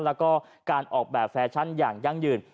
แล้วก็การออกแบบแฟชั่นอย่างยั่งยืน